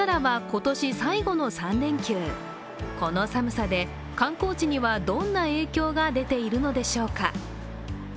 この寒さで観光地には、どんな影響が出ているのでしょうか。